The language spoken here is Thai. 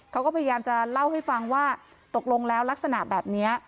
เขาก็พยายามจะเล่าให้ฟังว่าตกลงแล้วลักษณะแบบนี้